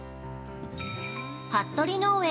◆服部農園